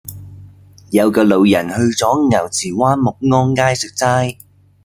有個老人去左牛池灣沐安街食齋